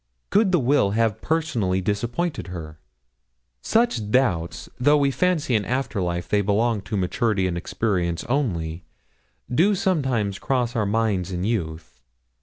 Could the will have personally disappointed her? Such doubts, though we fancy in after life they belong to maturity and experience only, do sometimes cross our minds in youth.